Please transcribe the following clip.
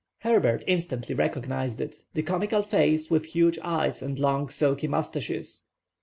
Herbert instantly recognized it, the comical face, with huge eyes and long silky moustaches.